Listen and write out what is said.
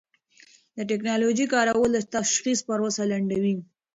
د ټېکنالوژۍ کارول د تشخیص پروسه لنډوي.